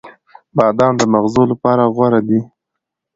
• بادام د مغزو لپاره غوره دی.